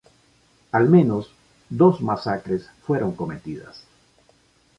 Al menos dos masacres fueron cometidas.